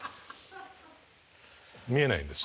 見えないんです。